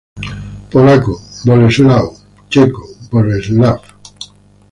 Polaco: Bolesław, checo: Boleslav.